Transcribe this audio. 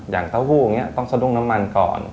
อย่างเต้าหู้ต้องสะดุ้งน้ำมันก่อน